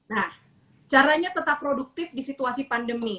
nah caranya tetap produktif di situasi pandemi